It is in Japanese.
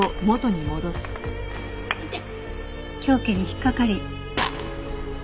凶器に引っかかり。